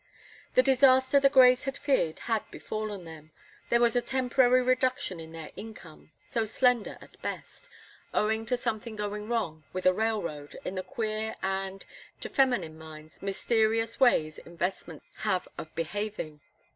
The disaster the Greys had feared had befallen them; there was a temporary reduction in their income so slender at best owing to something going wrong with a railroad, in the queer, and, to feminine minds, mysterious ways investments have of behaving.